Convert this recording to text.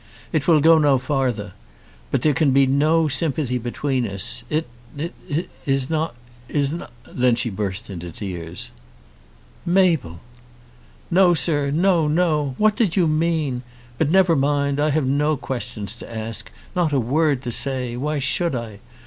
"It will go no farther; but there can be no sympathy between us. It it it is not, is not " Then she burst into tears. "Mabel!" "No, sir, no; no! What did you mean? But never mind. I have no questions to ask, not a word to say. Why should I?